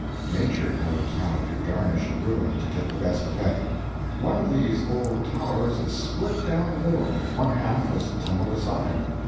Nature knows how to garnish a ruin to get the best effect. One of these old towers is split down the middle, and one half has tumbled aside.